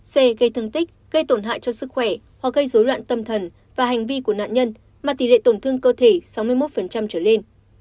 c gây thương tích gây tổn hại cho sức khỏe hoặc gây dối loạn tâm thần và hành vi của nạn nhân mà tỷ lệ tổn thương cơ thể sáu mươi một trở lên